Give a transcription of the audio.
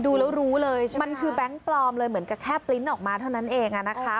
ดูแล้วรู้เลยมันคือแบงค์ปลอมเลยเหมือนกับแค่ปริ้นต์ออกมาเท่านั้นเอง